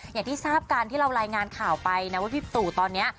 อย่างที่ทราบกันที่เรารายงานข่าวไปนะว่าพี่ตู่ตอนนี้